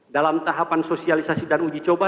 dalam tahapan sosialisasi dan uji coba